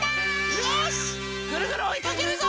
よしぐるぐるおいかけるぞ！